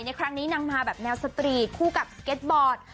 ในครั้งนี้นางมาแบบแนวสตรีทคู่กับสเก็ตบอร์ด